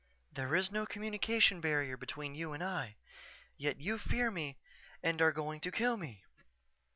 "_There is no communication barrier between you and I yet you fear me and are going to kill me.